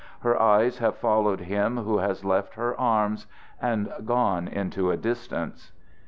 Her eyes have followed him who has left her arms and gone into a distance.